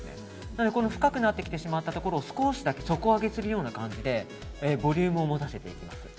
なので深くなってきてしまったところを少しだけ底上げするような感じでボリュームを持たせていきます。